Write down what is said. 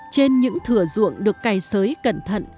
trên những thừa ruộng được cày sới cẩn thận